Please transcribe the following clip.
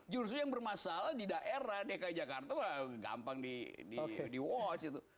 juru suhu yang bermasalah di daerah dki jakarta gampang di watch